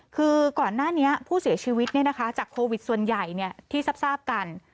คือก่อนหน้านี้ผู้เสียชีวิตเนี่ยนะคะจากโควิด๑๙ส่วนใหญ่ที่ซับกัน